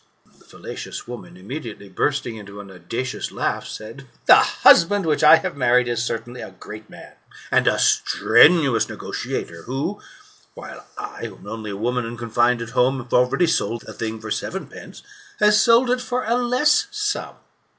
The fallacious woman, immediately bursting into an audacious laugh, said, "The husband which I have married is certainly a great man, and a strenuous negociator, who, while I, who am only a woman, and confined at home, have already sold a thing for seven pence, has sold it for a less sum.'